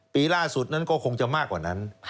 ปีล่าสุดนั้นก็คงจะมากกว่านั้น